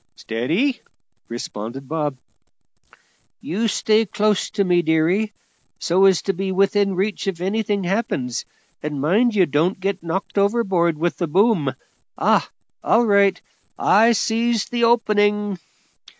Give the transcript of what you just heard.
"Steady!" responded Bob. "You stay close to me, dearie, so's to be within reach if anything happens, and mind you don't get knocked overboard with the boom. Ah! all right; I sees the opening."